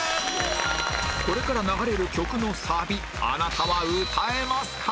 これから流れる曲のサビあなたは歌えますか？